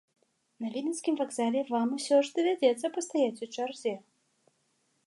На віленскім вакзале вам усё ж давядзецца пастаяць у чарзе.